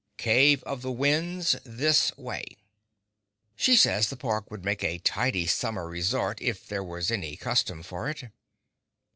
CAVE OF THE WINDS THIS WAY. She says this park would make a tidy summer resort, if there was any custom for it.